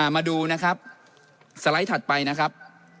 มาดูนะครับสไลด์ถัดไปนะครับ